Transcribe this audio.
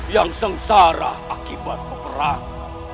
yang sengsara akibat peperang